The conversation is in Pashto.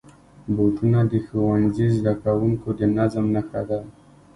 بوټونه د ښوونځي زدهکوونکو د نظم نښه ده.